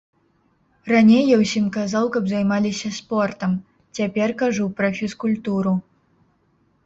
Раней я ўсім казаў, каб займаліся спортам, цяпер кажу пра фізкультуру.